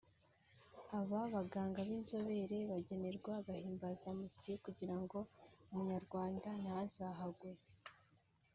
abo baganga b’inzobere bagenerwa agahimbazamusyi kugira ngo Umunyarwanda ntazahagwe